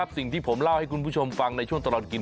สิ่งที่ผมเล่าให้คุณผู้ชมฟังในช่วงตลอดกิน